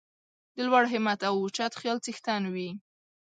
د لوړ همت او اوچت خیال څښتن وي.